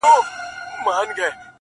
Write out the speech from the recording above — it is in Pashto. بس کیسې دي د پنځه زره کلونو,